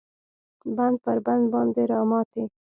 بند پر بند باندې راماتی